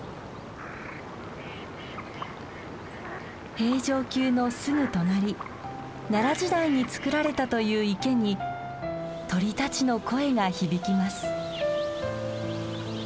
平城宮のすぐ隣奈良時代につくられたという池に鳥たちの声が響きます。